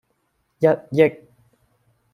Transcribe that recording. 一億